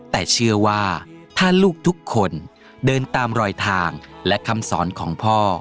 แต่เชื่อว่าถ้าลูกทุกคนเดินตามรอยทางและคำสอนของพ่อ